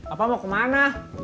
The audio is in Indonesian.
apa mau kemana